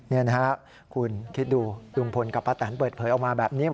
นี่นะครับคุณคิดดูลุงพลกับป้าแตนเปิดเผยออกมาแบบนี้